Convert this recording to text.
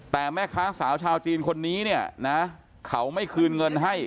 แต่แม่ค้าสาวชาวจีนคนนี้เนี่ยนะเขาไม่คืนเงินให้